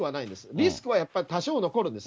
リスクはやっぱり多少残るんです。